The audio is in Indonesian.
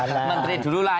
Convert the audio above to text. menteri dulu lah